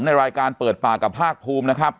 ในรายการเปิดปากกับภาคภูมินะครับ